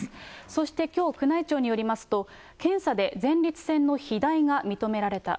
そしてきょう、宮内庁によりますと、検査で前立腺の肥大が認められた。